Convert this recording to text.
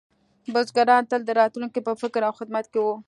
بزګران تل د راتلونکي په فکر او خدمت کې وو.